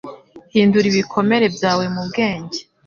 Hindura ibikomere byawe mu bwenge.”